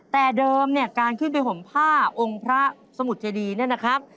แต่เดิมเนี่ยการขึ้นไปห่มผ้าองค์พระสมุทรเจดีเนี่ยนะครับ